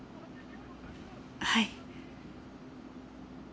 はい。